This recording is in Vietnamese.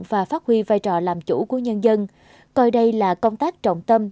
và phát huy vai trò làm chủ của nhân dân coi đây là công tác trọng tâm